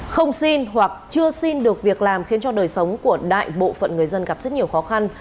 không xin hoặc chưa xin được việc làm khiến cho đời sống của đại bộ phận người dân gặp rất nhiều khó khăn